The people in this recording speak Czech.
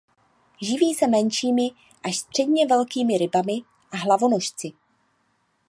Živí se menšími až středně velkými rybami a hlavonožci.